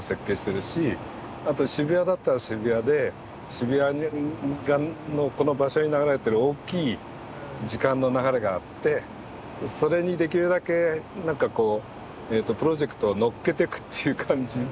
あと渋谷だったら渋谷で渋谷のこの場所に流れてる大きい時間の流れがあってそれにできるだけなんかこうプロジェクトを乗っけてくという感じ。